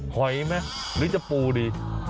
หอยไหมหรือจะปูดี